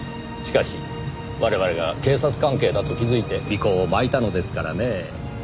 しかし我々が警察関係だと気づいて尾行をまいたのですからねぇ。